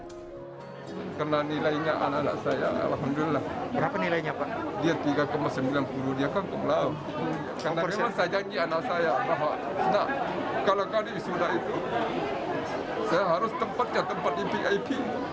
nah kalau kali wisuda itu saya harus tempatnya tempat ipk ip